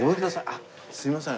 あっすいません。